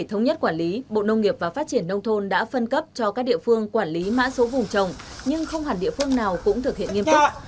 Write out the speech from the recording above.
để thống nhất quản lý bộ nông nghiệp và phát triển nông thôn đã phân cấp cho các địa phương quản lý mã số vùng trồng nhưng không hẳn địa phương nào cũng thực hiện nghiêm túc